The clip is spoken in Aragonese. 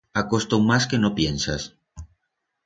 Ha costau mas que no piensas.